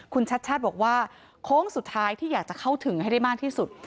คุณชัดชาติบอกว่าโค้งสุดท้ายที่อยากจะเข้าถึงให้ได้มากที่สุด